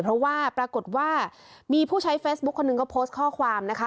เพราะว่าปรากฏว่ามีผู้ใช้เฟซบุ๊คคนหนึ่งก็โพสต์ข้อความนะคะ